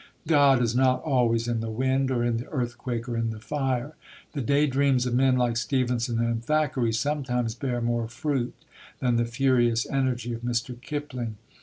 God is not always in the wind, or in the earthquake, or in the fire. The day dreams of men like Stevenson and Thackeray sometimes bear more fruit than the furious energy of Mr. Kipling.